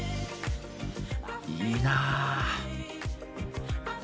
いいなぁ。